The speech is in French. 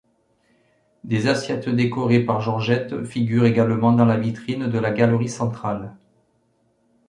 Des assiettes décorées par Georgette figurent également dans la vitrine de la galerie centrale.